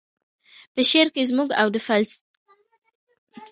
په شعر کې زموږ او د فلسطینیانو وچې ویاړنې په هر صورت.